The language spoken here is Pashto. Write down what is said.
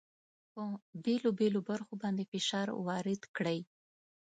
په بېلو بېلو برخو باندې فشار وارد کړئ.